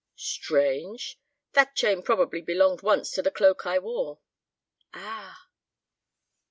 "Strange! That chain probably belonged once to the cloak I wore." "Ah!"